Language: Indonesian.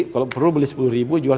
kalau perlu beli sepuluh jual sembilan